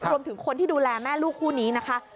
รวมถึงคนที่ดูแลแม่ลูกคู่นี้นะคะ